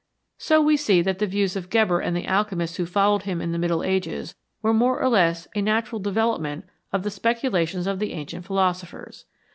So we see that the views of Geber and the alchemists who followed him in the Middle Ages were more or less a natural development of the speculations of the ancient /' philosophers.